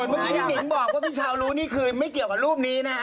เมื่อกี้ที่หนิงบอกว่าพี่เช้ารู้นี่คือไม่เกี่ยวกับรูปนี้นะฮะ